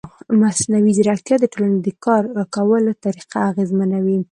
مصنوعي ځیرکتیا د ټولنې د کار کولو طریقه اغېزمنوي.